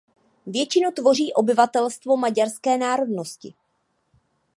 Většinu tvoří obyvatelstvo maďarské národnosti.